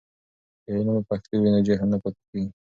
که علم په پښتو وي نو جهل نه پاتې کېږي.